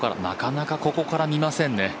なかなかここから見ませんね。